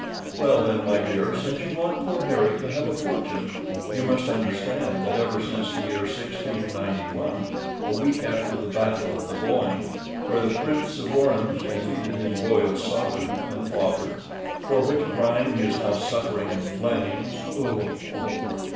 Well, then, my dear, since you want poor Harry to have a fortune, you must understand that ever since the year 1691, a week after the battle of the Boyne, where the Prince of Orange defeated his royal sovereign and father, for which crime he is now suffering in flames (ugh! ugh!)